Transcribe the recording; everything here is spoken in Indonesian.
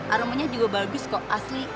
aromanya juga bagus kok asli